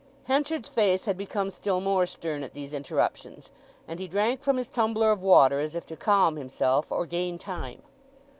Henchard's face had become still more stern at these interruptions, and he drank from his tumbler of water as if to calm himself or gain time.